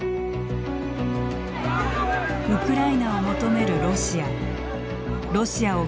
ウクライナを求めるロシア。